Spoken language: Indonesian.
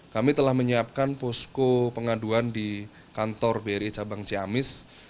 kami telah menyiapkan posko pengaduan di kantor bri cabang ciamis